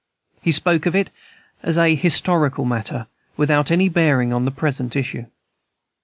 He spoke of it as a historic matter, without any bearing on the present issue.